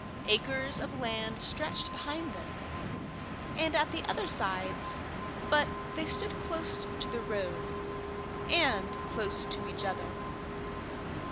Acres of land stretched behind them and at the other sides, but they stood close to the road, and close to each other.